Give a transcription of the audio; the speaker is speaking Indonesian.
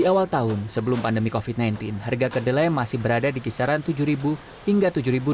setelah tahun sebelum pandemi kofi sembilan belas harga kedelai masih berada di kisaran tujuh ribu hingga